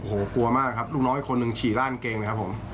โอ้โฮกลัวมากครับลูกน้อยคนหนึ่งฉีดล่างเกงนะครับผม